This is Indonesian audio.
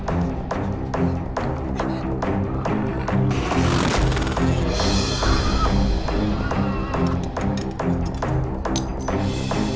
aduh banyak cepetan ya bahaya